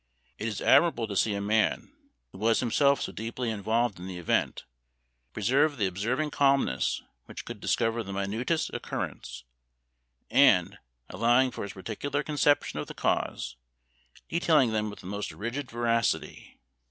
It is admirable to see a man, who was himself so deeply involved in the event, preserve the observing calmness which could discover the minutest occurrence; and, allowing for his particular conception of the cause, detailing them with the most rigid veracity.